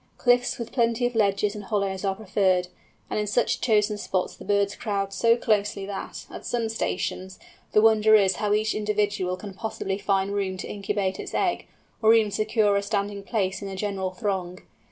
Cliffs with plenty of ledges and hollows are preferred, and in such chosen spots the birds crowd so closely that, at some stations, the wonder is how each individual can possibly find room to incubate its egg, or even secure a standing place in the general throng.